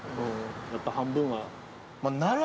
やっぱ半分は。